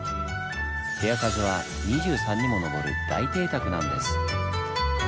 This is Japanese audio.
部屋数は２３にも上る大邸宅なんです。